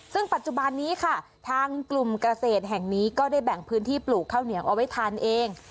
ซึ่งปัจจุบันนี้ค่ะทางกลุ่มเกษตรแห่งนี้ก็ได้แบ่งพื้นที่ปลูกข้าวเหนียวเอาไว้ทานเอง